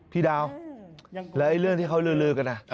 พี่ดาวแล้วเรื่องที่เขาลือกัน